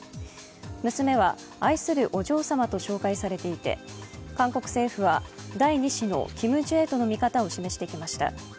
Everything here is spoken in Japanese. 娘は、愛するお嬢様と紹介されていて、韓国政府は第２子のキム・ジュエとの見方を示していました。